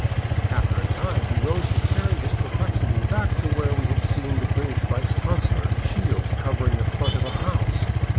After a time he rose to carry his perplexity back to where we had seen the British vice consular shield covering the front of a house.